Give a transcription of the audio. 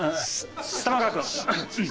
玉川君。